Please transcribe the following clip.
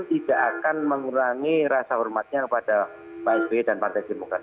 tidak akan mengurangi rasa hormatnya kepada pak sby dan partai demokrat